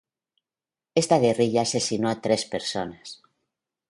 Esta guerrilla asesinó a tres personas.